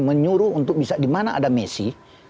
menyuruh untuk bisa dimana ada messi